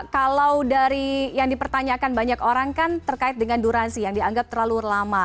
kalau dari yang dipertanyakan banyak orang kan terkait dengan durasi yang dianggap terlalu lama